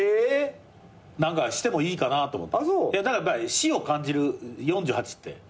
死を感じる４８って。